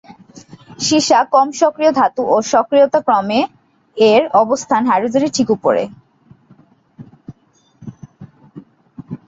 সীসা কম সক্রিয় ধাতু এবং সক্রিয়তা ক্রমে এর অবস্থান হাইড্রোজেনের ঠিক উপরে।